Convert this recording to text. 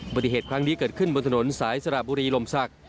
ปฏิเหตุครั้งนี้เกิดขึ้นบนถนนสายสระบุรีลมศักดิ